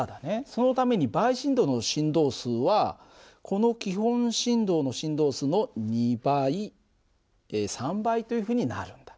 そのために倍振動の振動数はこの基本振動の振動数の２倍３倍というふうになるんだ。